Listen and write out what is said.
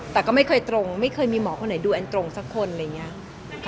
แต่ก็ไม่เคยตรงไม่เคยมีหมอคนไหนดูแอนด์ตรงสักคนอะไรอย่างเงี้ยค่ะแล้วแอนด์เชื่อไหมคะ